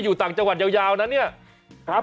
คุณติเล่าเรื่องนี้ให้ฮะ